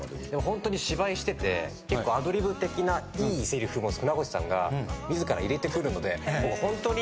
ホントに芝居してて結構アドリブ的ないいせりふを船越さんが自ら入れてくるのでホントに。